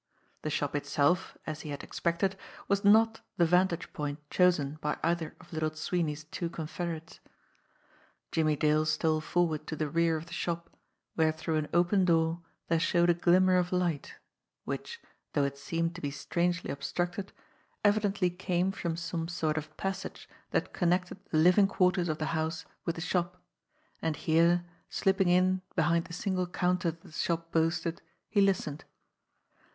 The shop itself, as he had expected, was not the vantage point chosen by either of Little Sweeney's two confederates. Jimmie Dale stole forward to the rear of the shop, where through an open door there showed a glimmer of light, which, though it seemed to be strangely obstructed, evidently came from some sort of passage that connected the living quarters of the house with the shop; and here, slipping in behind the single counter that the shop boasted, he listened.